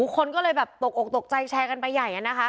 คนก็เลยตกอกตกใจแชร์กันไปใหญ่